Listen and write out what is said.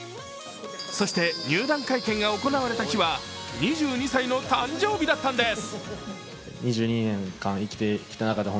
そして入団会見が行われた日は２２歳の誕生日だったのです。